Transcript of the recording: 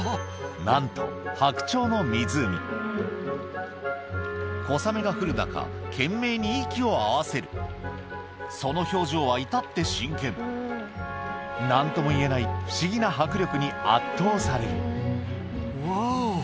何と小雨が降る中懸命に息を合わせるその表情は至って真剣何とも言えない不思議な迫力に圧倒される